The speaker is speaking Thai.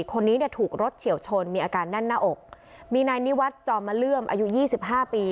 คนนี้เนี่ยถูกรถเฉียวชนมีอาการแน่นหน้าอกมีนายนิวัฒน์จอมมาเลื่อมอายุยี่สิบห้าปี